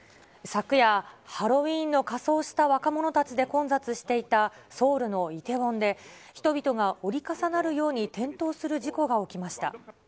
昨夜、ハロウィーンの仮装した若者たちで混雑していた、ソウルのイテウォンで、人々が折り重なるように転倒する事故が起きました。